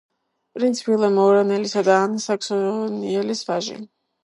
პრინც ვილემ ორანელისა და ანა საქსონიელის ვაჟი.